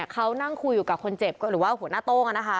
เขานั่งคุยอยู่กับคนเจ็บหรือว่าหัวหน้าโต้ง